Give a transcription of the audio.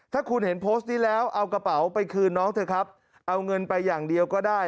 ถ้าคุณเห็นโพสต์นี้แล้วเอากระเป๋าไปคืนน้องเถอะครับเอาเงินไปอย่างเดียวก็ได้